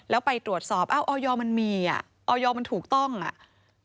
แล้วไปตรวจสอบอ้าวออยมันมีอ่ะออยมันถูกต้องอ่ะ